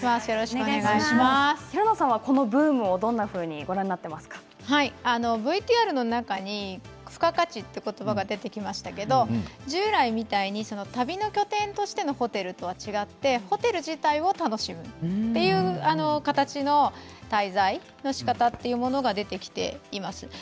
平野さんはこのブームどんなふうにＶＴＲの中に付加価値っていう言葉が出てきましたけれども従来みたいに旅の拠点としてのホテルとは違ってホテル自体を楽しむという形の滞在のしかたというものが出てきています。